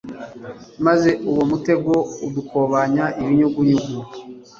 maze uwo mutego udukobanya ibiyunguyungu